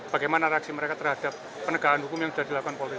bagaimana reaksi mereka terhadap penegakan hukum yang sudah dilakukan polri